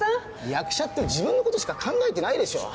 役者って自分のことしか考えてないでしょ。